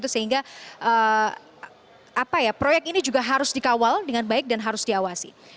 sehingga proyek ini juga harus dikawal dengan baik dan harus diawasi